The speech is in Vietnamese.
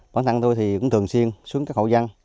bản thân tôi cũng thường xuyên xuống các hậu văn